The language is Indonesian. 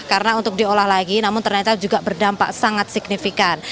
karena untuk diolah lagi namun ternyata juga berdampak sangat signifikan